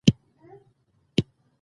ژبه زموږ د تاریخ ژباړه ده.